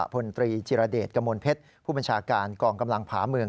พลตรีจิรเดชกระมวลเพชรผู้บัญชาการกองกำลังผาเมือง